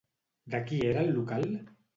De qui era el local?